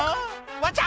「わちゃ！